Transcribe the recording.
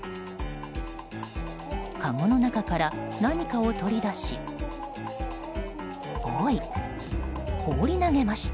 かごの中から何かを取り出しポイ放り投げました。